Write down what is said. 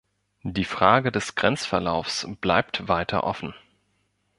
Die Frage des Grenzverlaufs bleibt weiter offen.